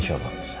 insya allah lisa